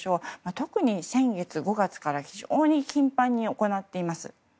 特に先月５月から非常に頻繁に行っています。